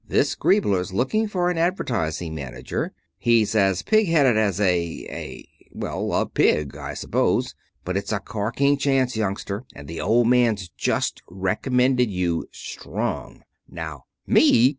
"This Griebler's looking for an advertising manager. He's as pig headed as a a well, as a pig, I suppose. But it's a corking chance, youngster, and the Old Man's just recommended you strong. Now " "Me